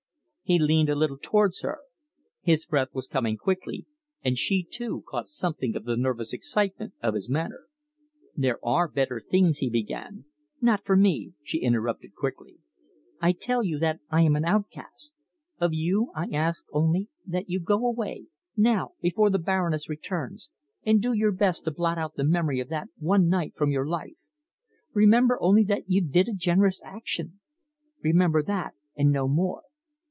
He leaned a little towards her. His breath was coming quickly, and she, too, caught something of the nervous excitement of his manner. "There are better things," he began. "Not for me," she interrupted quickly. "I tell you that I am an outcast. Of you, I ask only that you go away now before the Baroness returns, and do your best to blot out the memory of that one night from your life. Remember only that you did a generous action. Remember that, and no more."